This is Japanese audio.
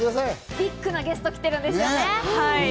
ビッグなゲストが来ているんですよね。